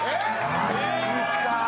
マジか。